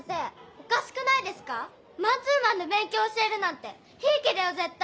おかしくないですか⁉マンツーマンで勉強教えるなんてひいきだよ絶対！